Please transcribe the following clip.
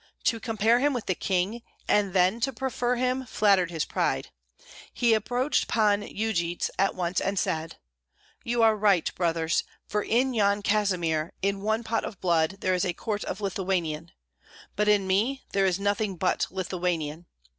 To compare him with the king, and then to prefer him, flattered his pride; he approached Pan Yujits at once and said, "You are right, brothers, for in Yan Kazimir, in one pot of blood there is a quart of Lithuanian, but in me there is nothing but Lithuanian.